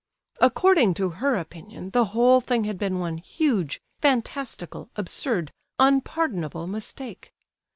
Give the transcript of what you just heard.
According to her opinion, the whole thing had been one huge, fantastical, absurd, unpardonable mistake.